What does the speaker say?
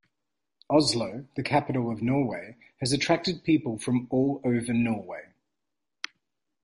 Oslo, the capital of Norway, has attracted people from all over Norway.